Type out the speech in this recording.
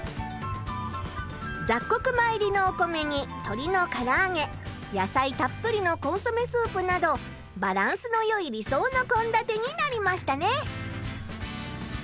ざっこく米入りのお米にとりのからあげ野菜たっぷりのコンソメスープなどバランスのよい理想のこんだてになりましたね。